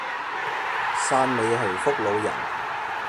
汕尾人係福佬人